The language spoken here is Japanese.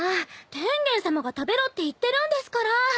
天元さまが食べろって言ってるんですから。